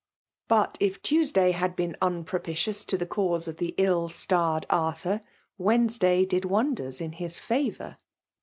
But if Tuesday had beat ai]|RopitioQS to the caose of the lU staned Arthur, Wednesday did wonders in his favour.